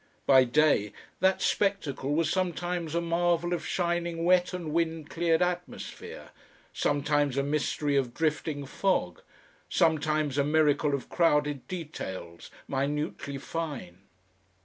By day that spectacle was sometimes a marvel of shining wet and wind cleared atmosphere, sometimes a mystery of drifting fog, sometimes a miracle of crowded details, minutely fine.